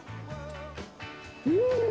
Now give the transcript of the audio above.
うん！